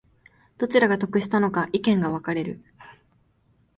どちらが得したのか意見が分かれる